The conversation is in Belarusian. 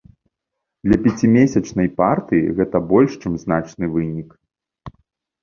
Для пяцімесячнай партыі гэта больш, чым значны вынік.